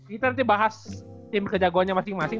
kita nanti bahas tim kejagoannya masing masing